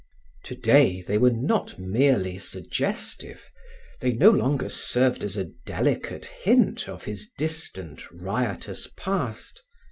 Today they were not merely suggestive, they no longer served as a delicate hint of his distant riotous past.